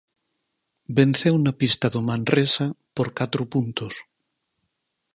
Venceu na pista do Manresa por catro puntos.